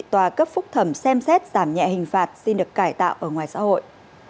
tòa cấp phúc thẩm xem xét giảm nhẹ hình phạt xin được cải tạo ở ngoài xã hội